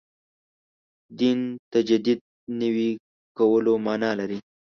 دین تجدید نوي کولو معنا لري.